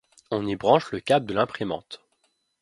On y branche le câble de l'imprimante.